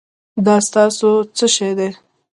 دا ستاسو څه شی دی؟